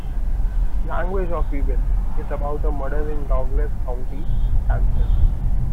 "Language of Evil" is about a murder in Douglas County, Kansas.